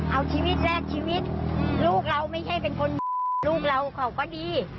เอาชีวิตแรกชีวิตลูกเราไม่ใช่เป็นคนลูกเราเขาก็ดี